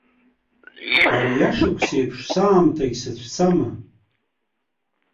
Ари ашықәс еиԥш саамҭагь сыцәцама?